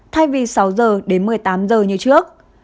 thay vì sáu h đến một mươi tám h như trước